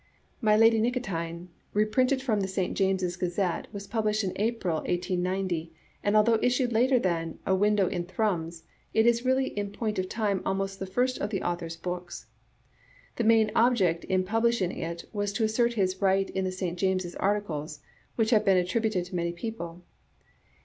"My Lady Nicotine," reprinted from the St Jameses Gazette^ was published in April, 1890, and although issued later than "A Window in Thrums," it is really in point of time almost the first of the author's books. The main object in publishing it was to assert his right in the St James's articles, which have been attributed to many people.